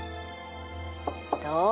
どう？